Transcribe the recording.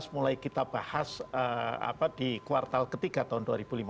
mulai kita bahas di kuartal ketiga tahun dua ribu lima belas